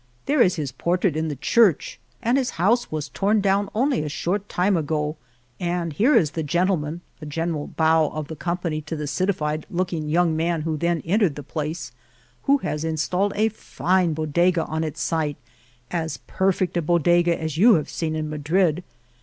There is his portrait in the church, and his 26 One of the Rare Good Times of the Women. Argamasilla house was torn down only a short time ago, and here is the gentleman (a general bow of the company to the citified looking young man who then entered the place) who has installed a fine bodega on its site, as perfect a bodega as you have seen in Madrid.